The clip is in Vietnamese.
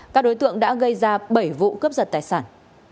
các đối tượng đã gây ra bảy vụ cướp giật tài sản